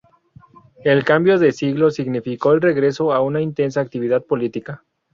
El cambio de siglo significó el regreso a una intensa actividad política.